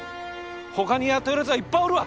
ほかにやっとるやつはいっぱいおるわ！